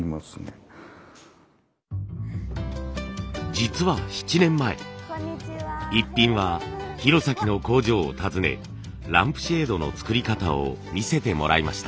実は７年前「イッピン」は弘前の工場を訪ねランプシェードの作り方を見せてもらいました。